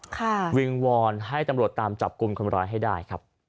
คือวิงวอนให้ทำรวจตามจับกลุ่มความร้ายให้ได้